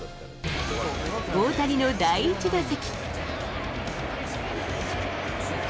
大谷の第１打席。